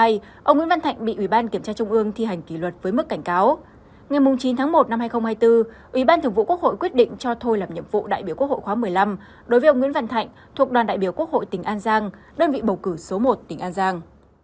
đồng thời ủy ban thường vụ quốc hội cũng tạm giam khám xét nơi ở nơi làm việc đối với ông dương văn thái kể từ ngày có quy định khởi tố bị can